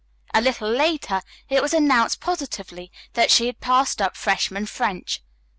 A little later it was announced positively that she had passed up freshman French.